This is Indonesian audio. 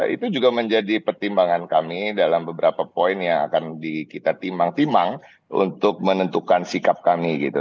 itu juga menjadi pertimbangan kami dalam beberapa poin yang akan kita timang timang untuk menentukan sikap kami gitu